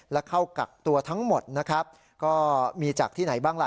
และเข้ากักตัวทั้งหมดนะครับก็มีจากที่ไหนบ้างล่ะ